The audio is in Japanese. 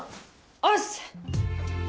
押忍！